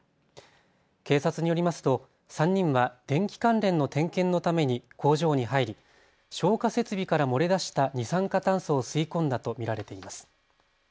警察によりますと３人は電気関連の点検のために工場に入り、消火設備から漏れ出した二酸化炭素を吸い込んだと見られています。